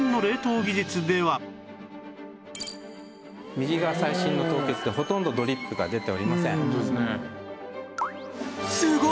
右が最新の凍結でほとんどドリップが出ておりません。